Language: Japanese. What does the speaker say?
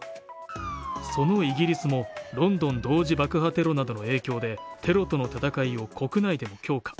そのイギリスも、ロンドン同時爆破テロなどの影響でテロとの戦いを国内でも強化。